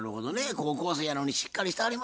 高校生やのにしっかりしてはりますわね。